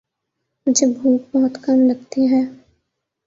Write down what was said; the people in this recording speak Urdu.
مجھے بھوک بہت کم لگتی ہے